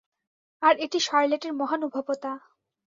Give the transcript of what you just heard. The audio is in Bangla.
আর এটি শার্লেটের মহানুভবতা।